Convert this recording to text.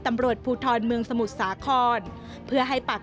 ทำไมเราต้องเป็นแบบเสียเงินอะไรขนาดนี้เวรกรรมอะไรนักหนา